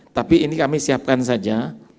tapi ini kami siapkan saja